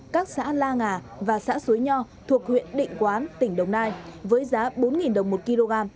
các xã la ngà và xã suối nho thuộc huyện định quán tỉnh đồng nai với giá bốn đồng một kg